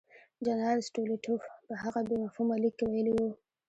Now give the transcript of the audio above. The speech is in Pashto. جنرال سټولیټوف په هغه بې مفهومه لیک کې ویلي وو.